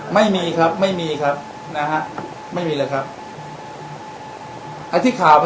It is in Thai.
ไม่มีครับไม่มีครับนะฮะไม่มีเลยครับ